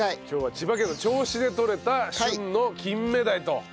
今日は千葉県の銚子で取れた旬の金目鯛と。